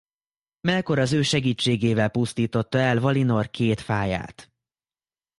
Melkor az ő segítségével pusztította el Valinor Két Fáját.